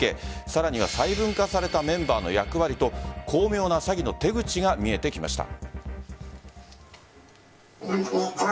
さらには細分化されたメンバーの役割と巧妙な詐欺の手口が見えてきました。